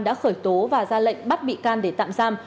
đã khởi tố và ra lệnh bắt bị can để tạm giam